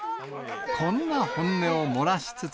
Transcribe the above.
こんな本音を漏らしつつ。